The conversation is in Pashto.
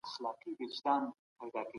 مشرانو وویل چي پښتو د غیرت او ادب ژبه ده.